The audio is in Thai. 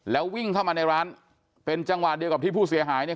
แล้ววิ่งเข้ามาในร้านเป็นจังหวะเดียวกับที่ผู้เสียหายเนี่ย